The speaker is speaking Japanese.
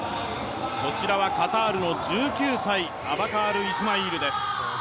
こちらはカタールの１９歳、アバカール・イスマイールです。